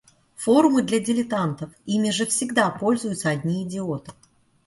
Форумы для дилетантов. Ими же всегда пользуются одни идиоты!